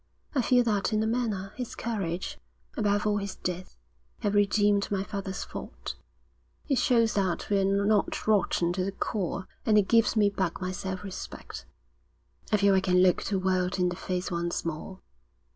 I feel that in a manner his courage, above all his death, have redeemed my father's fault. It shows that we're not rotten to the core, and it gives me back my self respect. I feel I can look the world in the face once more.